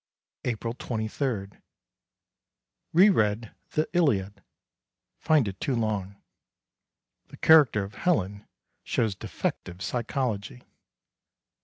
April 23. Re read the Iliad. Find it too long. The character of Helen shows defective psychology.